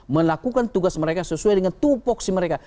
melakukan tugas mereka sesuai dengan tupoksi mereka